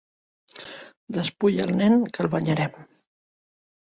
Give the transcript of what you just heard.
Despulla el nen, que el banyarem.